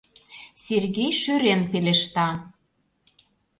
— Сергей шӧрен пелешта.